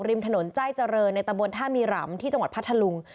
ริมถนนใจเจริญในตะบนท่ามีหลำที่จังหวัดพัทธลุง